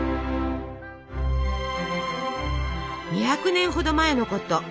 ２００年ほど前のこと。